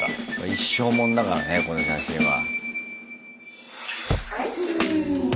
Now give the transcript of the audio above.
一生もんだからねこの写真は。